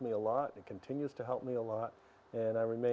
dan juga ketika saya mengalami